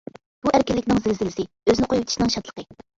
بۇ ئەركىنلىكنىڭ زىلزىلىسى، ئۆزىنى قويۇۋېتىشنىڭ شادلىقى.